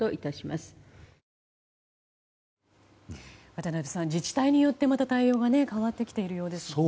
渡辺さん、自治体によってまた対応が変わってきているようですね。